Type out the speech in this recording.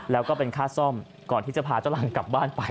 แล้วก็เป็นค่าซ่อมก่อนที่จะพาเจ้ารังกลับบ้านไป